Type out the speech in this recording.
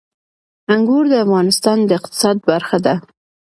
انګور د افغانستان د اقتصاد برخه ده.